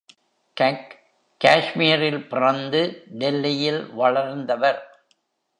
Kak காஷ்மீரில் பிறந்து டெல்லியில் வளர்ந்தவர்.